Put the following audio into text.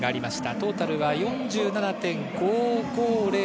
トータル４７．５５０。